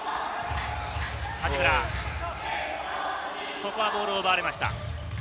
ここはボールを奪われました。